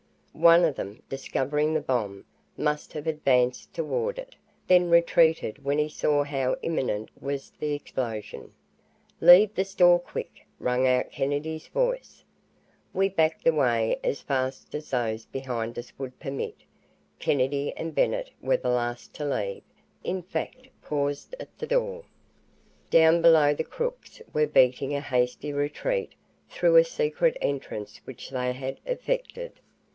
One of them, discovering the bomb, must have advanced toward it, then retreated when he saw how imminent was the explosion. "Leave the store quick!" rang out Kennedy's voice. We backed away as fast as those behind us would permit. Kennedy and Bennett were the last to leave, in fact paused at the door. Down below the crooks were beating a hasty retreat through a secret entrance which they had effected.